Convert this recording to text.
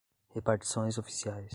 repartições oficiais